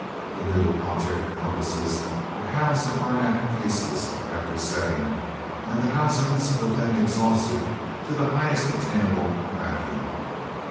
The new object compasses were housed in arenak cases after setting, and the housings were then exhausted to the highest attainable vacuum.